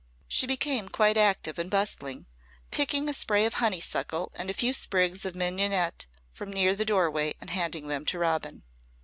She became quite active and bustling picking a spray of honeysuckle and a few sprigs of mignonette from near the doorway and handing them to Robin.